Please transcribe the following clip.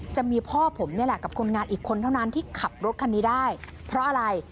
จะมีพ่อผมนี่แหละกับคนงานอีกคนเท่านั้นที่ขับรถคันนี้ได้เพราะอะไร